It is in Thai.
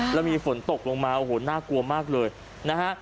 แล้วมีฝนตกลงมาโอ้โหน่ากลัวมากเลยนะฮะ